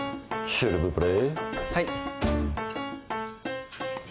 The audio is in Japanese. シルブプレ？